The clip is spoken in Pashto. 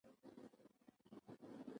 د هغه عقیده او دین باید په پام کې نه وي.